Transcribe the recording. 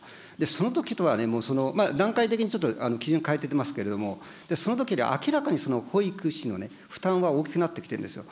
そのときとはもう、段階的にちょっと基準変えてきてますけれども、そのときより明らかに保育士の負担は大きくなってきているんですよ。